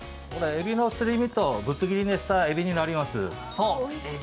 エビのすり身とぶつ切りにしたエビになります。